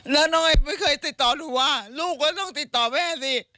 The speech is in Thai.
แต่ไม่เคยติดต่อหรือว่าลูกคงต้องติดต่อแม่สิ